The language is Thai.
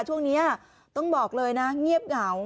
ช่วงนี้ต้องบอกเลยนะเงียบเหงา